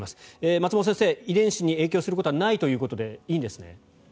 松本先生、遺伝子に影響することはないということでいいんですね？